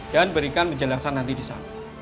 dan berikan penjelasan nanti di sana